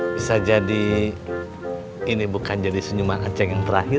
bisa jadi ini bukan jadi senyuman aceh yang terakhir